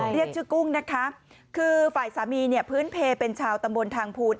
เรียกชื่อกุ้งนะคะคือฝ่ายสามีเนี่ยพื้นเพลเป็นชาวตำบลทางภูล